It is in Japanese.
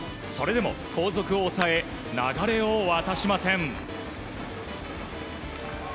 それでも後続を抑え流れを渡しません。